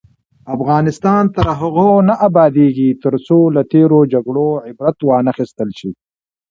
افغانستان تر هغو نه ابادیږي، ترڅو له تیرو جګړو عبرت وانخیستل شي.